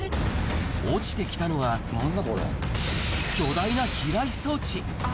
落ちてきたのは、巨大な避雷装置。